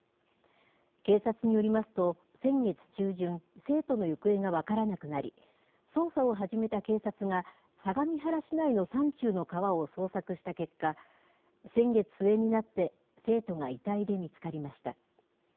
警察によりますと、先月中旬、生徒の行方が分からなくなり、捜査を始めた警察が、相模原市内の山中の川を捜索した結果、先月末になって、生徒が遺体で見つかりました。